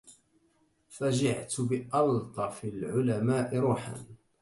فجعت بألطف العلماء روحا